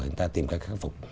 thì chúng ta tìm cách khắc phục